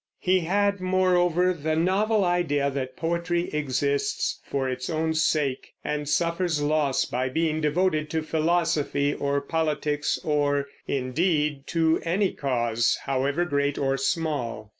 He had, moreover, the novel idea that poetry exists for its own sake, and suffers loss by being devoted to philosophy or politics or, indeed, to any cause, however great or small.